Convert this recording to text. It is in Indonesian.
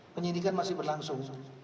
penyidikan masih berlangsung